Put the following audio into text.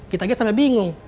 kita aja sampe bingung